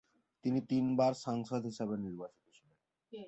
তিনি তিনবার সাংসদ হিসেবে নির্বাচিত ছিলেন।